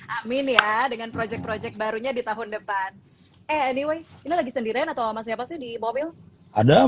amin ya dengan proyek proyek barunya di tahun depan